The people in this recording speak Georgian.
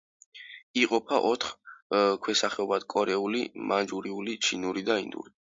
იყოფა ოთხ ქვესახეობად: კორეული, მანჯურიული, ჩინური და ინდური.